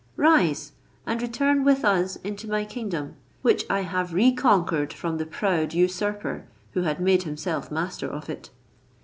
Rise, and return with us into my kingdom, which I have reconquered from the proud usurper who had made himself master of it."